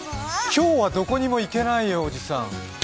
今日はどこにも行けないよ、おじさん。